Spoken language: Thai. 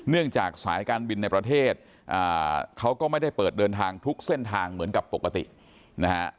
เนื่องจากสายการบินในประเทศเขาก็ไม่ได้เปิดเดินทางทุกเส้นทางเหมือนกับปกตินะฮะ